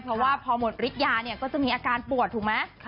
เพราะว่าพอหมดฤทธิยาเนี่ยก็จะมีอาการปวดถูกไหม